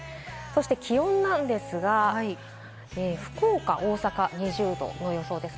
気温なんですが、福岡、大阪２０度の予想です。